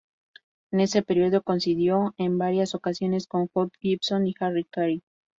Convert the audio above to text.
En ese período coincidió en varias ocasiones con Hoot Gibson y Harry Carey.